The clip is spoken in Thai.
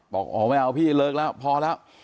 บอกอ๋อไม่เอาพี่เลิกแล้วพอแล้ว